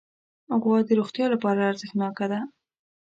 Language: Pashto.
غوا د روغتیا لپاره ارزښتناکه ده.